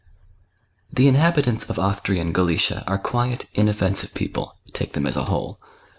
The inhabitants of Austrian Galicia are quiet, inoflfensive people, take them as a whole.